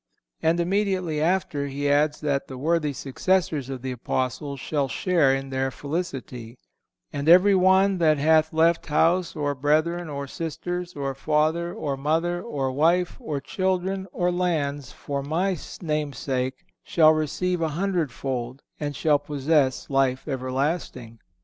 And immediately after He adds that the worthy successors of the Apostles shall share in their felicity: "And every one that hath left house, or brethren, or sisters, or father, or mother, or wife, or children, or lands for my name's sake shall receive a hundredfold and shall possess life everlasting."